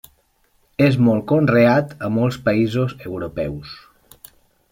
És molt conreat a molts països europeus.